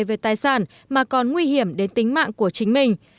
về tài sản mà còn nguy hiểm đến tính mạng của chính mình